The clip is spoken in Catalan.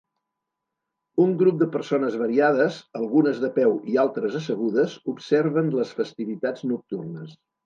Un grup de persones variades, algunes de peu i altres assegudes, observen les festivitats nocturnes